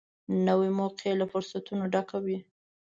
نوې موقعه له فرصتونو ډکه وي